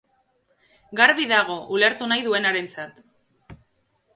Garbi dago, ulertu nahi duenarentzat.